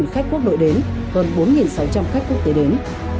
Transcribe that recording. năm mươi sáu khách quốc nội đến hơn bốn sáu trăm linh khách quốc tế đến